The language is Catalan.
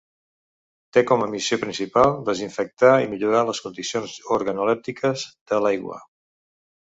Té com a missió principal desinfectar i millorar les condicions organolèptiques de l'aigua.